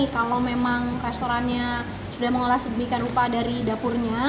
kalau memang restorannya sudah mengolah sedemikian rupa dari dapurnya